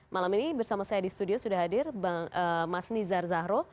malam ini bersama saya di studio sudah hadir mas nizar zahro